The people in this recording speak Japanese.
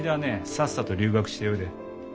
さっさと留学しておいで。